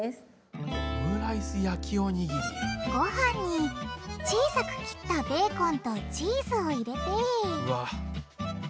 ごはんに小さく切ったベーコンとチーズを入れてうわ。